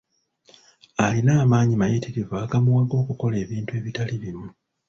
Alina amaanyi mayitririvu agamuwaga okukola ebintu ebitali bimu.